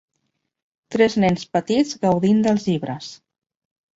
Tres nens petits gaudint dels llibres.